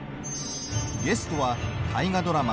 ゲストは、大河ドラマ